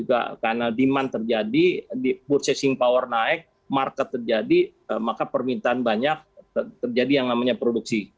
karena demand terjadi purchasing power naik market terjadi maka permintaan banyak terjadi yang namanya produksi